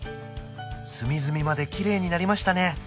隅々までキレイになりましたね